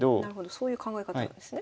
そういう考え方なんですね。